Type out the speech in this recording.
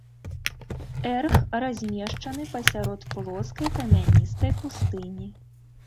Эрг размешчаны пасярод плоскай камяністай пустыні.